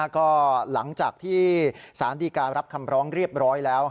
ก็หลังจากที่สารดีการับคำร้องเรียบร้อยแล้ว